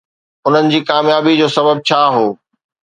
انهن جي ڪاميابي جو سبب ڇا هو؟